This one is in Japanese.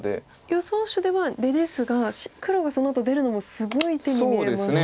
予想手では出ですが黒がそのあと出るのもすごい手に見えますよね。